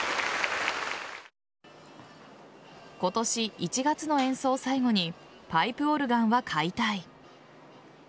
今年１月の演奏を最後にパイプオルガンは解体。